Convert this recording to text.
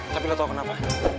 tapi lo tahu kenapa